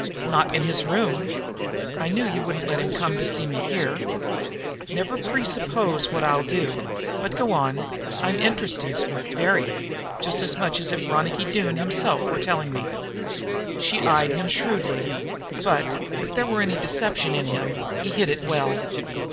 "Not in his room?" "I knew you wouldn't let him come to see me here." "Never presuppose what I'll do. But go on I'm interested very. Just as much as if Ronicky Doone himself were telling me." She eyed him shrewdly, but, if there were any deception in him, he hid it well.